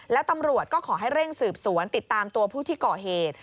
แล้วตำรวจก็ขอให้เร่งสืบสวนติดตามตัวผู้ที่ก่อเหตุ